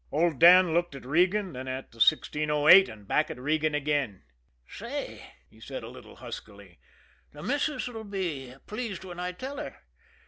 Old Dan looked at Regan, then at the 1608, and back at Regan again. "Say," he said a little huskily, "the missus 'll be pleased when I tell her.